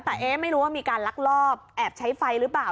แต่ไม่รู้ว่ามีการลักลอบแอบใช้ไฟหรือเปล่า